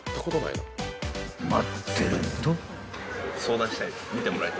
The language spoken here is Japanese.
［待ってると］